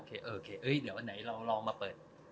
โอเคเดี๋ยววันไหนเราลองมาเปิด